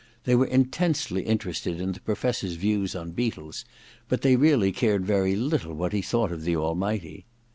They were intensely interested in the Professor's views on beetles, but they really cared very little what he thought of the Almighty.